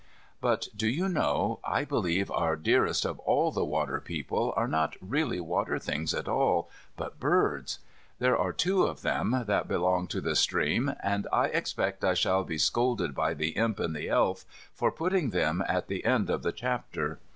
But, do you know, I believe our dearest of all the water people, are not really water things at all, but birds? There are two of them, that belong to the stream, and I expect I shall be scolded by the Imp and the Elf for putting them at the end of the chapter.